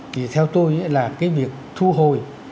thì theo tôi là cái việc thu hồi